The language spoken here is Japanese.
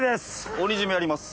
鬼絞めやります。